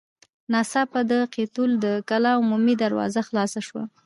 ناڅاپه د قيتول د کلا عمومي دروازه خلاصه شوه.